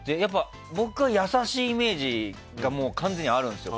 僕は小籔さんに優しいイメージが完全にあるんですよ。